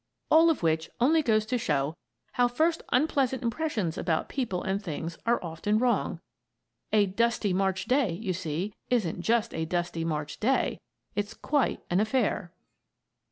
All of which only goes to show how first unpleasant impressions about people and things are often wrong. A "dusty March day," you see, isn't just a dusty March day. It's quite an affair!